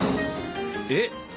えっ！